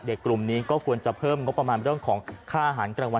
กลุ่มนี้ก็ควรจะเพิ่มงบประมาณเรื่องของค่าอาหารกลางวัน